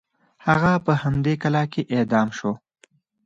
هغه په همدې کلا کې اعدام شو.